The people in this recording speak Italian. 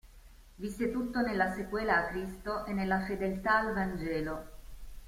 Visse tutto nella sequela a Cristo e nella fedeltà al Vangelo.